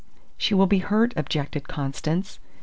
"She will be hurt," objected Constance.